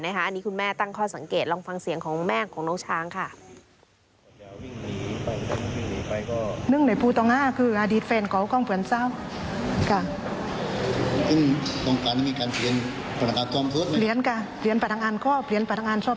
อันนี้คุณแม่ตั้งข้อสังเกตลองฟังเสียงของแม่ของน้องช้างค่ะ